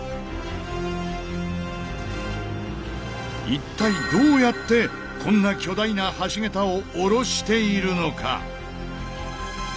一体どうやってこんな巨大な橋桁をおろしているのか？